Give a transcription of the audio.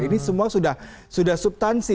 ini semua sudah subtansi